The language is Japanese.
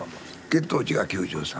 血糖値が９３。